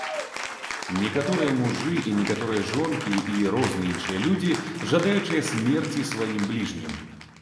Некаторыя мужы і некаторыя жонкі і розныя іншыя людзі, жадаючыя смерці сваім бліжнім.